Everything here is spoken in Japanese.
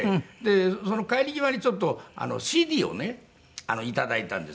その帰り際にちょっとＣＤをね頂いたんです